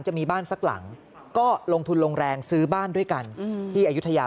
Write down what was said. จะมีบ้านสักหลังก็ลงทุนลงแรงซื้อบ้านด้วยกันที่อายุทยา